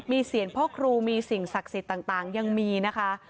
มีเสียงพ่อครูมีสิ่งศักดิ์สิทธิ์ต่างยังมีนะคะ